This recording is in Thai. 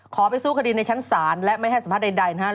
ไปสู้คดีในชั้นศาลและไม่ให้สัมภาษณ์ใดนะครับ